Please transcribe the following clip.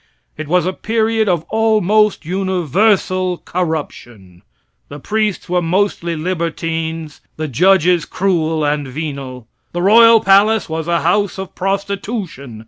It was a period of almost universal corruption. The priests were mostly libertines, the judges cruel and venal. The royal palace was a house of prostitution.